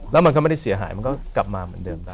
แล้วมันก็ไม่ได้เสียหายมันก็กลับมาเหมือนเดิมได้